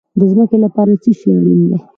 د ځمکې لپاره څه شی اړین دي؟